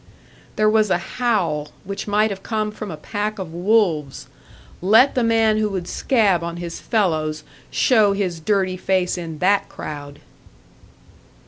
There was a howl, which might have come from a pack of wolves. Let the man who would scab on his fellows show his dirty face in that crowd!